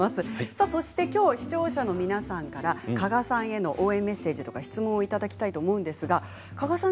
そして視聴者の皆さんから加賀さんへの応援メッセージ質問をいただきたいと思うんですが加賀さん